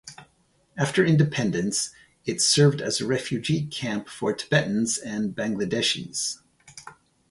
After independence, it served as a refugee camp for Tibetans and Bangladeshis.